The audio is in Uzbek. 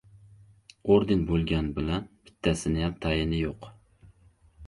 — Orden bo‘lgan bilan, bittasiniyam tayini yo‘q!